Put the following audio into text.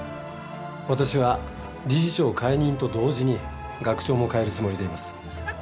私は理事長解任と同時に学長も変えるつもりでいます。